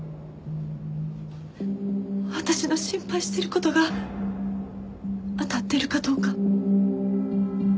私の心配してる事が当たってるかどうか。